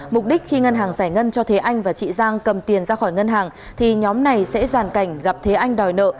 mục đích khi ngân hàng giải ngân cho thế anh và chị giang cầm tiền ra khỏi ngân hàng thì nhóm này sẽ giàn cảnh gặp thế anh đòi nợ